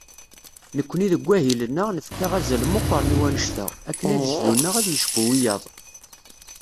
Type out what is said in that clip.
Nekkni deg wahil-nneɣ, nefka azal meqqren i wannect-a, akken agezdu-nneɣ ad yecbu wiyaḍ.